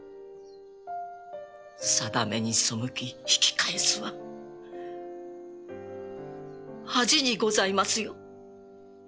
定めに背き引き返すは恥にございますよ。